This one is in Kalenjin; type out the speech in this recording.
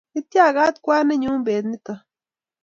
Itiagat kwaninyu pet nitok